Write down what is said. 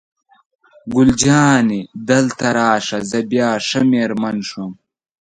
ګل جانې: دلته راشه، زه بیا ښه مېرمن شوم.